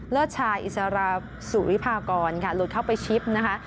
เลือดชายอิสระสุริพากรลดเข้าไปชิปนะคะ